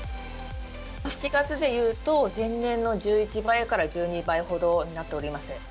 ７月でいうと、前年の１１倍から１２倍ほどになっております。